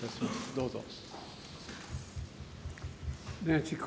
どうぞ。